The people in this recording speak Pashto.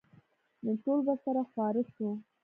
نو ټول به سره خواره سو.